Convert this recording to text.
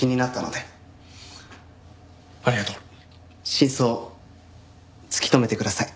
真相突き止めてください。